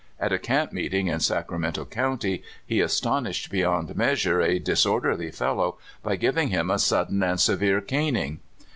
At a camp meet ing in Sacramento County, he astonished beyond measure a disorderly fellow by giving him a sud den and severe caning.